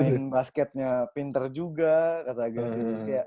main basketnya pinter juga kata agassi